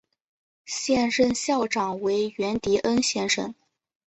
现任校长为源迪恩先生。